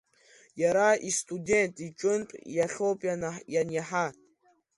Иара истудент иҿынтә иахьоуп ианиаҳа.